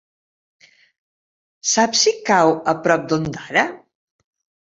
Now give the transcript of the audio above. Saps si cau a prop d'Ondara?